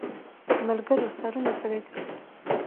ملګرو سرونه ځړېدل.